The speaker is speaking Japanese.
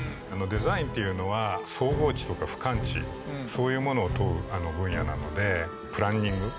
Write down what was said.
デザインっていうのは総合値とか俯瞰値そういうものを問う分野なのでプランニング。